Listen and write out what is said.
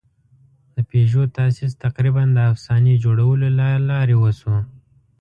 د پيژو تاسیس تقریباً د افسانې جوړولو له لارې وشو.